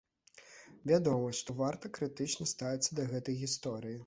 Вядома, што варта крытычна ставіцца да гэтай гісторыі.